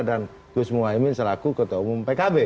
dan gus muwaimin selaku ketua umum pkb